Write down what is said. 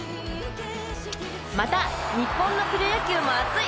また日本のプロ野球も熱い！